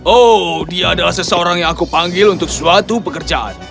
oh dia adalah seseorang yang aku panggil untuk suatu pekerjaan